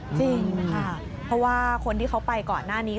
จริงค่ะเพราะว่าคนที่เขาไปก่อนหน้านี้